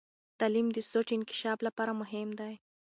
تعلیم د سوچ انکشاف لپاره مهم دی.